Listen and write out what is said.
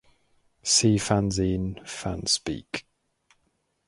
See fanzine, fanspeak.